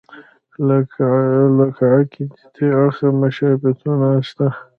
له عقیدتي اړخه مشابهتونه شته.